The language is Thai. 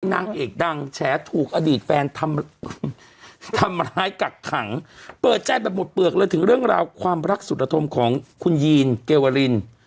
นางเอกดังแฉถูกอดีตแฟนทำร้ายกักขังเปิดใจแบบหมดเปลือกเลยถึงเรื่องราวความรักสุดอธมของคุณยีนเกวริน